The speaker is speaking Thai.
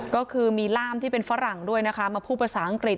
ก็คือมีล่ามที่เป็นฝรั่งด้วยนะคะมาพูดภาษาอังกฤษ